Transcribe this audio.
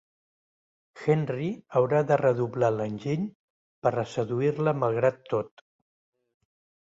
Henry haurà de redoblar l'enginy per a seduir-la malgrat tot.